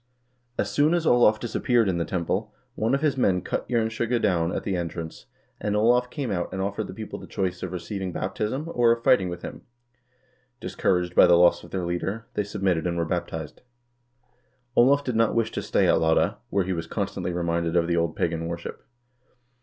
As soon as Olav disappeared in the temple, one of his men cut Jernskjegge down at the entrance, and Olav came out and offered the people the choice of receiving baptism or of fighting with him. Discouraged by the loss of their leader, they submitted and were baptized. Olav did not wish to stay at Lade, where he was constantly re minded of the old pagan worship.